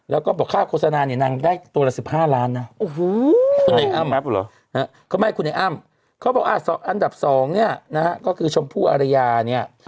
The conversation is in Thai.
แล้วก็บอกค่าโฆษณาเนี่ยนางได้ตัวละสิบห้าร้านนะอันดับสองเนี่ยนะก็คือชมพู่อารยาเนี่ย